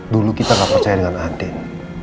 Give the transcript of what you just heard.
dulu kita gak percaya dengan ateng